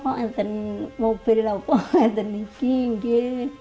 karena mobilnya sudah berhenti